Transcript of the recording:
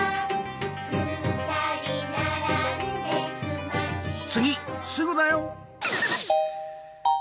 ふたりならんですましがおん。